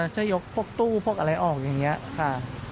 จะยกพวกตู้พวกอะไรออกอย่างนี้ค่ะ